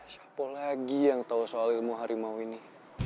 siapa lagi yang tahu soal ilmu harimau ini